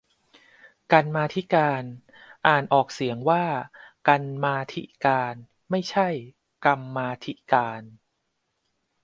กรรมาธิการ อ่านออกเสียงว่า กัน มา ทิ กาน ไม่ใช่ กัม มา ทิ กาน